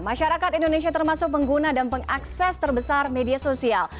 masyarakat indonesia termasuk pengguna dan pengakses terbesar media sosial